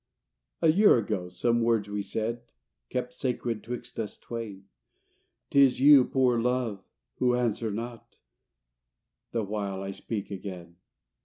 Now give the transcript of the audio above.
A year ago some words we said Kept sacred 'twixt us twain, 'T is you, poor Love, who answer not, The while I speak again.